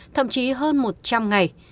thậm chí hơn một trăm linh ngày